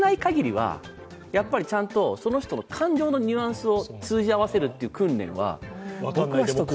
やっぱりちゃんと、その人の感情のニュアンスを通じ合わせるという訓練は、僕はしておくべき。